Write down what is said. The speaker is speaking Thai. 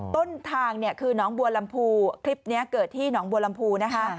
ต้นทางเนี่ยคือน้องบัวลำพูคลิปนี้เกิดที่หนองบัวลำพูนะคะ